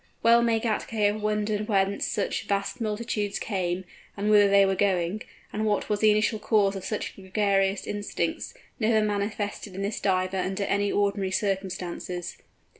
Well may Gätke have wondered whence such vast multitudes came, and whither they were going, and what was the initial cause of such gregarious instincts, never manifested in this Diver under any ordinary circumstances.